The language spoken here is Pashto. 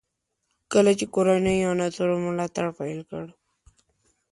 کله چې کورنیو عناصرو ملاتړ پیل کړ.